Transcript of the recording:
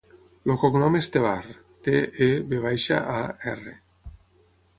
El cognom és Tevar: te, e, ve baixa, a, erra.